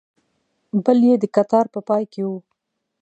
بل یې د کتار په پای کې و.